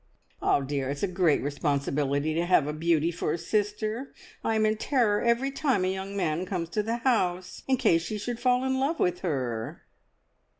Ah dear, it's a great responsibility to have a beauty for a sister! I am in terror every time a young man comes to the house, in case he should fall in love with her."